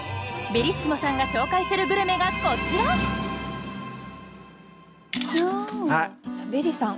ベリッシモさんが紹介するグルメがこちらベリさん